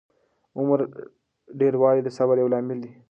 عمر ډېروالی د صبر یو لامل دی.